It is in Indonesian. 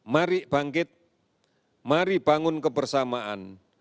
mari bangkit mari bangun kebersamaan